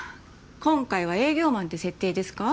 今回は営業マンって設定ですか？